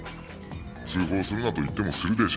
「通報するなと言ってもするでしょ？